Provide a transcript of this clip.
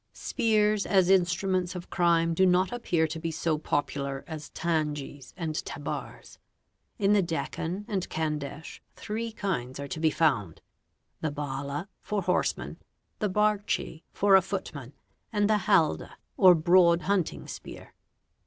Spears as instruments of crime do not appear to be so popular as tangis and tabars. In the Deccan and Kandesh three kinds are to be found,—the bhala for horsemen, the barchi for a footman, and the halda or broad hunting spear.